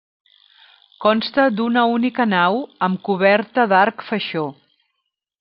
Consta d'una única nau, amb coberta d'arc faixó.